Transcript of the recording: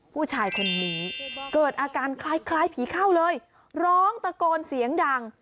ผู้ชายคนนี้เกิดอาการคล้ายผีเข้าเลยร้องตะโกนเสียงดัง